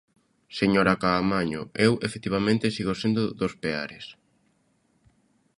Señora Caamaño, eu, efectivamente, sigo sendo dos Peares.